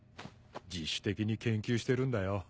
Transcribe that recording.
自主的に研究してるんだよ。